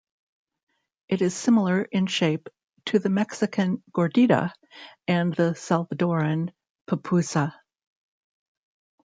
It is similar in shape to the Mexican "gordita" and the Salvadoran "pupusa".